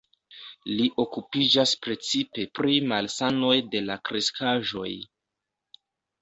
Li okupiĝas precipe pri malsanoj de la kreskaĵoj.